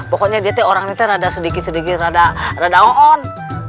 pokoknya dia teh orangnya teh rada sedikit sedikit rada ngon